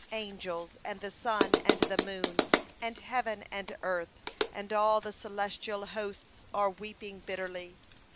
Angels, and the sun and the moon, and heaven and earth, and all the celestial hosts are weeping bitterly.